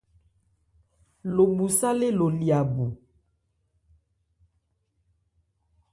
Lo bhu sálé lo lya bu.